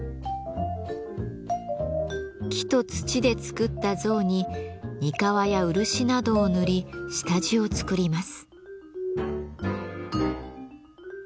木と土で作った像に膠や漆などを塗り下地を作ります。